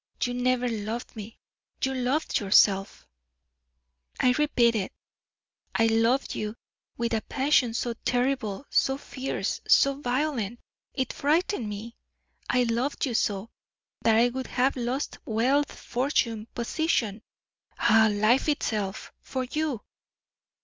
You never loved me, you loved yourself!" "I repeat it, I loved you with a passion so terrible, so fierce, so violent, it frightened me! I loved you so, that I would have lost wealth, fortune, position ah! life itself for you!"